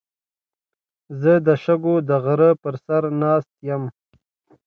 زه د شګو د غره په سر ناست یم.